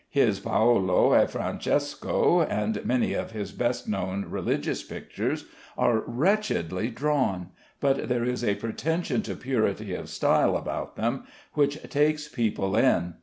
His "Paolo and Francesco," and many of his best known religious pictures, are wretchedly drawn, but there is a pretension to purity of style about them which takes people in.